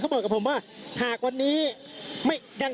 คุณภูริพัฒน์บุญนิน